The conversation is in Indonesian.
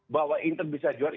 bahwa inter bisa juara